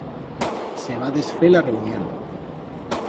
Se va desfer la reunión.